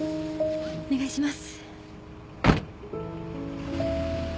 お願いします。